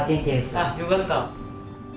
あっよかった。